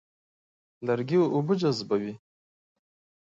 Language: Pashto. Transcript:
لرګی اوبه جذبوي.